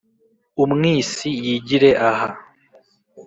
umwisi y’igire aha